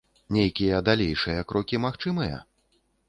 Нейкія далейшыя крокі магчымыя?